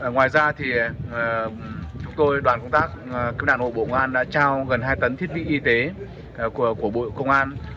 ngoài ra thì chúng tôi đoàn công tác cứu nạn hộ bộ ngoan đã trao gần hai tấn thiết bị y tế của bộ công an